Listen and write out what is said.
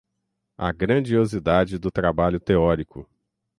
a grandiosidade do trabalho teórico